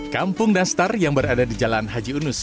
kampung nastar yang berada di jalan haji unus